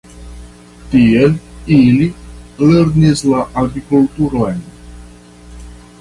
Tiel, ili lernis la agrikulturon.